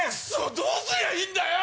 どうすりゃいいんだよ